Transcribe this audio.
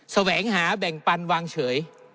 แสวงหาแบ่งปันวางเฉย